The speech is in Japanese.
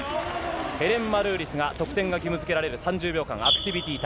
ヘレン・マルーリスが得点が義務付けられる３０秒間、アクティビ